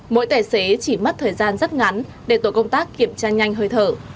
mỗi tài xế chỉ mất thời gian rất ngắn để tổ công tác kiểm tra nhanh hơi thở